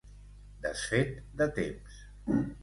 Desfet de temps.